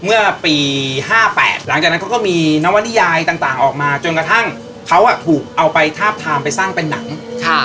เมื่อปี๕๘หลังจากนั้นเขาก็มีนวนิยายต่างออกมาจนกระทั่งเขาถูกเอาไปทาบทามไปสร้างเป็นหนัง